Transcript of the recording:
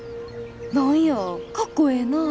何やかっこええなぁ。